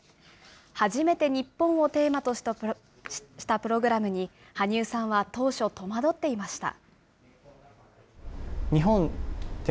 初めて日本をテーマとしたプログラムに、羽生さんは当初、戸惑っていました。